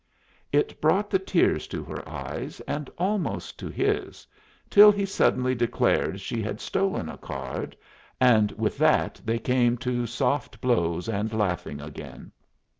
It brought the tears to her eyes, and almost to his, till he suddenly declared she had stolen a card, and with that they came to soft blows and laughing again.